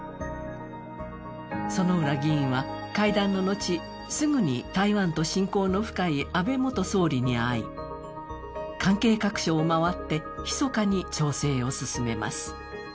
薗浦議員は会談の後、すぐに台湾と親交の深い安倍元総理に会い関係各所を回ってひそかに調整を進めます。